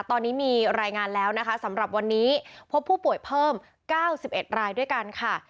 ตอนนี้มีรายงานแล้วนะคะสำหรับวันนี้พบผู้ป่วยเพิ่ม๙๑รายด้วยกันค่ะ